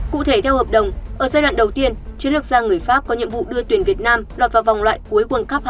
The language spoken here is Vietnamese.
cụ thể theo hợp đồng ở giai đoạn đầu tiên chiến lược gia người pháp có nhiệm vụ đưa tuyển việt nam lọt vào vòng loại cuối quân cấp hai nghìn hai mươi sáu